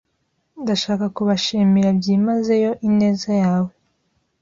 Ndashaka kubashimira byimazeyo ineza yawe.